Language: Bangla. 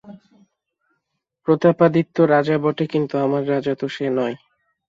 প্রতাপাদিত্য রাজা বটে, কিন্তু আমার রাজা তো সে নয়।